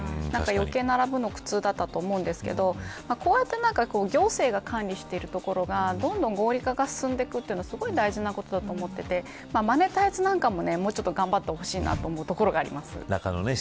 余計並ぶのが苦痛だったと思うんですけどこうやって、行政が管理しているところがどんどん合理化が進んでいくのは大事なことだと思っていてマネタイズなんかも、もう少し頑張ってほしいと思います。